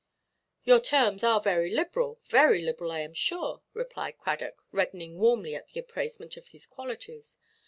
"Your terms are very liberal, very liberal, I am sure," replied Cradock, reddening warmly at the appraisement of his qualities.